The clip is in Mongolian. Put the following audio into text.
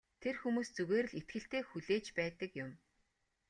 Тэр хүмүүс зүгээр л итгэлтэй хүлээж байдаг юм.